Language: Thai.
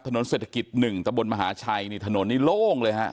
ถนนเศรษฐกิจ๑ตะบนมหาชัยนี่ถนนนี้โล่งเลยฮะ